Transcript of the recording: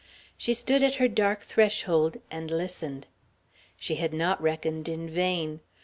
She stood at her dark threshold, and listened. She had not reckoned in vain.